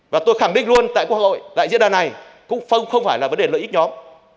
và tôi khẳng định luôn tại quốc hội tại diễn đàn này cũng không phải là vấn đề lợi ích nhóm